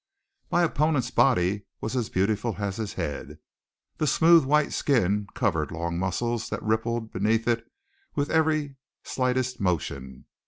My opponent's body was as beautiful as his head. The smooth white skin covered long muscles that rippled beneath it with every slightest motion.